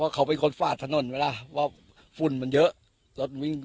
ว่าเขาไปคนฝากถนนไหมน่ะว่าฟุ่นมันเยอะรถวิ่ง